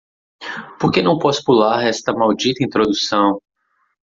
Por que não posso pular esta maldita introdução?